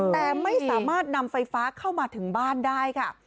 แต่ไม่สามารถนำไฟฟ้าเข้ามาถึงบ้านได้ค่ะ